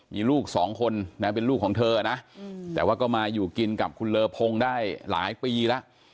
มีลูกสองคนนะเป็นลูกของเธอนะแต่ว่าก็มาอยู่กินกับคุณเลอพงได้หลายปีแล้ว